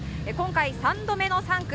今回３度目の３区。